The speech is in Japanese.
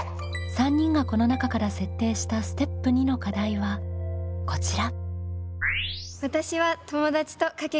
３人がこの中から設定したステップ２の課題はこちら。